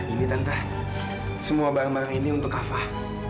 ini tante semua barang barang ini untuk afah